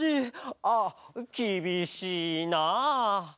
あっきびしいな。